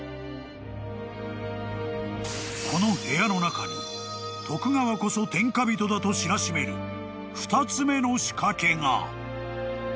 ［この部屋の中に徳川こそ天下人だと知らしめる２つ目の仕掛けが］